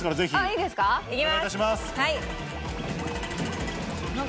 いきます。